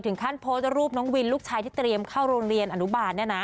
ถึงขั้นโพล์กรุผมน้องวินลูกชายที่เตรียมเข้าโรงเรียนอนุบาล